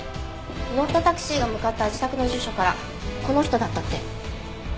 乗ったタクシーが向かった自宅の住所からこの人だったって。